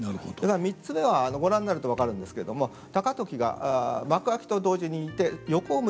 ３つ目はご覧になると分かるんですけども高時が幕開きと同時にいて横を向いているわけです。